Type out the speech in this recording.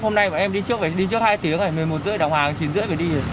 hôm nay em đi trước phải đi trước hai tiếng một mươi một h ba mươi đóng hàng chín h ba mươi phải đi